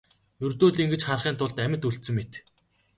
Ердөө л ингэж харахын тулд амьд үлдсэн мэт.